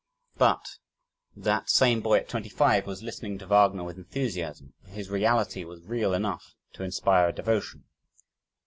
But, that same boy at twenty five was listening to Wagner with enthusiasm, his reality was real enough to inspire a devotion.